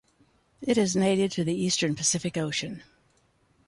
It is native to the eastern Pacific Ocean.